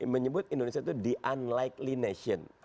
menyebut indonesia itu the unlikely nation